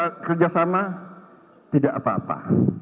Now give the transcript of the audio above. kita kerjasama tidak apa apa